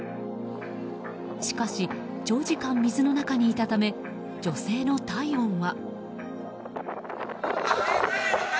しかし長時間、水の中にいたため女性の体温は。